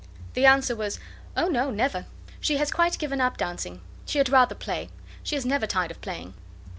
The answer was, "Oh, no; never; she has quite given up dancing. She had rather play. She is never tired of playing."